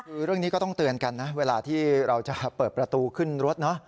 คือเรื่องนี้ก็ต้องเตือนกันนะเวลาที่เราจะเปิดประตูขึ้นรถเนอะ